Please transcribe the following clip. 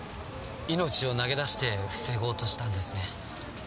命を投げ出して防ごうとしたんですね。